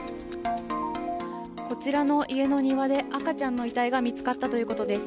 こちらの家の庭で赤ちゃんの遺体が見つかったということです。